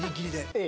「ええ」？